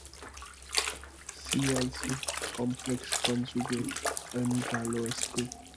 See also Complex conjugate and Galois group.